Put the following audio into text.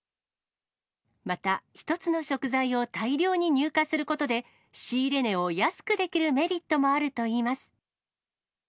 また１つの食材を大量に入荷することで、仕入れ値を安くできるメリットもあるといいます。